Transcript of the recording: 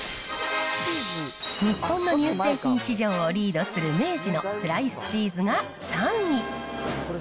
日本の乳製品市場をリードする明治のスライスチーズが３位。